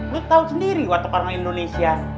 lo tau sendiri waktu parang indonesia